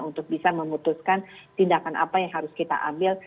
untuk bisa memutuskan tindakan apa yang harus kita ambil